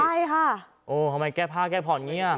ใช่ค่ะโอ้ทำไมแก้ผ้าแก้ผ่อนอย่างนี้